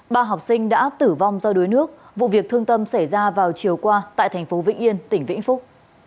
ba học sinh đã tử vong do đuối nước vụ việc thương tâm xảy ra vào chiều qua tại thành phố vĩnh yên tỉnh vĩnh phúc